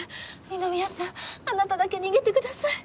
二宮さんあなただけ逃げてください！